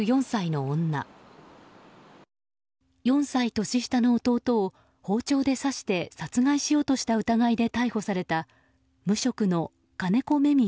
４歳年下の弟を包丁で刺して殺害しようとした疑いで逮捕された無職の金子芽